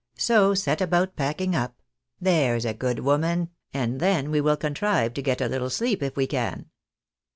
So set about packing up, and there's a good woman, and then we will contrive to get a little sleep, if we can."